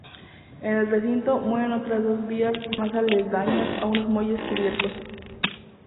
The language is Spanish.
En el recinto mueren otras dos vías más aledañas a unos muelles cubiertos.